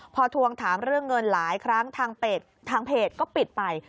พอทวงถามเรื่องเงินหลายครั้งทางเพจก็ปิดไป